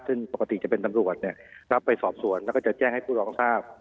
ซึ่งปกติจะเป็นตำรวจรับไปสอบสวนแล้วก็จะแจ้งให้ผู้รองทราบ